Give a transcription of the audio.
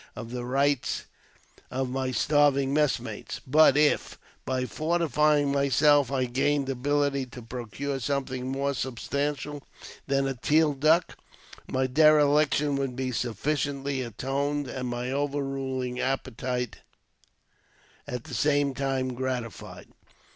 of the rights of my starving messmates ; but if, by fortifying myself, I gained ability to procure something more substantial than a teal duck, my dereliction would be sufficiently atoned, and my overruling appetite, at the same time, gratified.